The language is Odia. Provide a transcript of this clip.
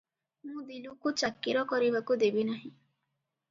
ମୁଁ ଦିଲୁକୁ ଚାକିର କରିବାକୁ ଦେବି ନାହିଁ ।